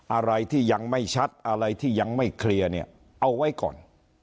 อะไรที่ยังไม่ชัดอะไรที่ยังไม่เคลียร์เนี่ยเอาไว้ก่อน